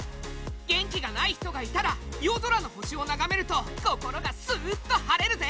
元気がない人がいたら夜空の星を眺めると心がスーッと晴れるぜ！